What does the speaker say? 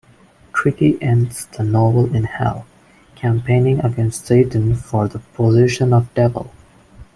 Tricky ends the novel in Hell, campaigning against Satan for the position of Devil.